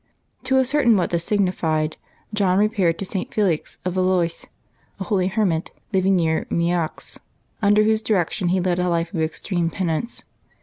To ascertain what this signified, John repaired to St. Felix of Valois, a holy hermit living near Meaux, under whose direction he led a life of extreme penance.